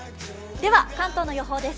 では関東の予報です。